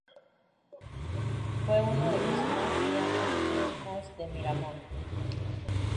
Fue uno de los más brillantes triunfos de Miramón.